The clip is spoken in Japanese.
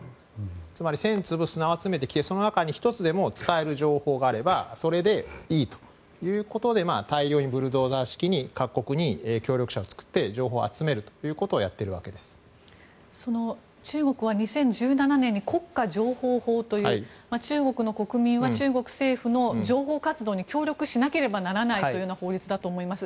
つまり千粒、砂を集めてきてその中で１つでも使える情報があればそれでいいということで大量に、ブルドーザー式に各国に協力者を作って情報を集めるということを中国は２０１７年に国家情報法という中国の国民は中国政府の情報活動に協力しなければならないという法律だと思います。